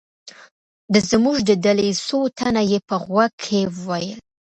د زموږ د ډلې څو تنه یې په غوږ کې و ویل.